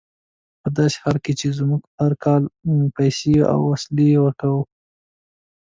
په داسې حال کې چې موږ هر کال پیسې او وسلې ورکوو.